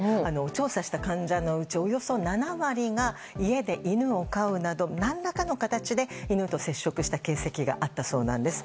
調査した患者のうちおよそ７割が家で犬を飼うなど何らかの形で犬と接触する形跡があったそうなんです。